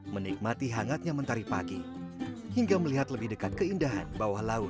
menikmati hangatnya mentari pagi hingga melihat lebih dekat keindahan bawah laut